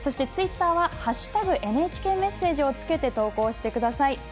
ツイッターは「＃ＮＨＫメッセージ」をつけて投稿してください。